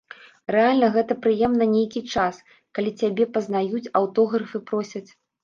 Рэальна гэты прыемна нейкі час, калі цябе пазнаюць, аўтографы просяць.